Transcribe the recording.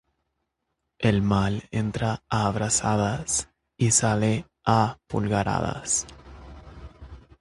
El mal entra a brazadas y sale a pulgaradas.